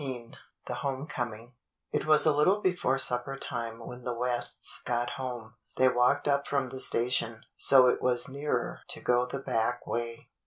XIII The Home Coming IT was a little before supper time when the Wests got home. They walked up from the station, so it was nearer to go the back way.